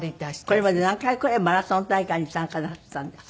これまで何回くらいマラソン大会に参加なすったんですか？